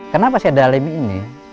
kenapa saya dalemi ini